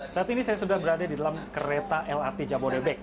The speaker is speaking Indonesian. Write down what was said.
saat ini saya sudah berada di dalam kereta lrt jabodebek